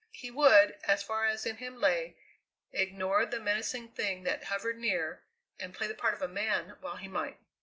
He would, as far as in him lay, ignore the menacing thing that hovered near, and play the part of a man while he might.